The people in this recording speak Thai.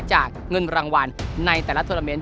ถ้าเราแชมป์เราก็รวยเลยครับ